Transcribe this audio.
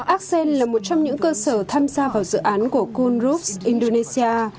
aksan là một trong những cơ sở tham gia vào dự án của cool roofs indonesia